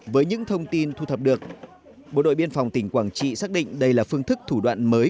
với những thông tin thu thập được bộ đội biên phòng tỉnh quảng trị xác định đây là phương thức thủ đoạn mới